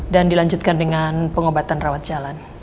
dan dilanjutkan dengan pengobatan rawat jalan